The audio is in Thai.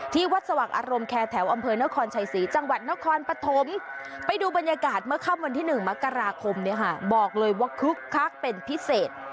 ที่วัดสว่างอารมณ์แคร์แถวอำเภอนครชัยศรีจังหวัดนครปฐมไปดูบรรยากาศเมื่อค่ำวันที่๑มกราคมบอกเลยว่าคึกคักเป็นพิเศษ